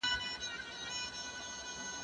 انځور د زده کوونکي له خوا کتل کيږي،